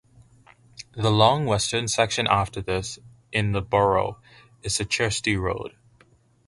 The long western section after this in the Borough is Chertsey Road.